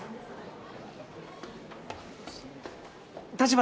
橘